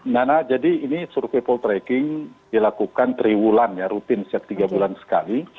nah nah jadi ini survei poltrek dilakukan tiga bulan ya rutin set tiga bulan sekali